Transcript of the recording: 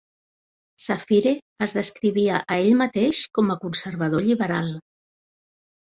Safire es descrivia a ell mateix com a conservador lliberal.